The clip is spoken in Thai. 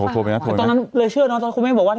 ตอนนั้นเลยเชื่อเนอะตอนคุณแม่บอกว่า